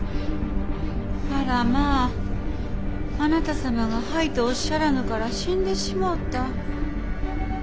あらまぁあなた様が「はい」とおっしゃらぬから死んでしもうた。